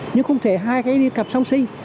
nhưng không thể hai cái đi cặp song sinh